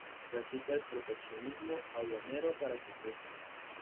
Practica el proteccionismo aduanero para su industria.